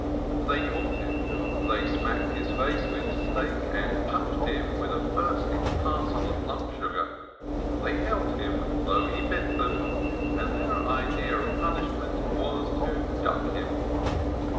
They caught him, they smacked his face with steak and punched him with a bursting parcel of lump sugar, they held him though he bit them, and their idea of punishment was to duck him.